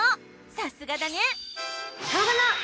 さすがだね！